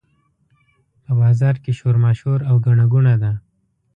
په بازار کې شورماشور او ګڼه ګوڼه ده.